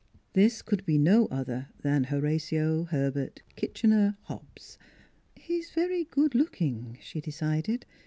This could be no other than Horatio Herbert Kitchener Hobbs. " He's very good looking," she decided.